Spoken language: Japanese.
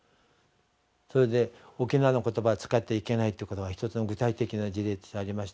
それで沖縄の言葉使ってはいけないってことは一つの具体的な事例としてありましたからね。